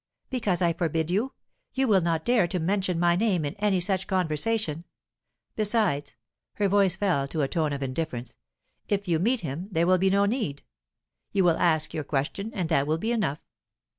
"Because I forbid you. You will not dare to mention my name in any such conversation! Besides" her voice fell to a tone of indifference "if you meet him, there will be no need. You will ask your question, and that will be enough.